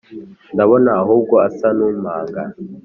ndabona ahubwo asa n’umpunga